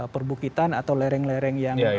perbukitan atau lereng lereng yang